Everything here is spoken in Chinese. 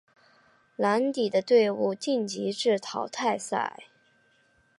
蓝底的队伍晋级至淘汰赛。